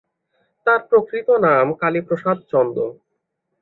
তাঁর প্রকৃত নাম কালীপ্রসাদ চন্দ।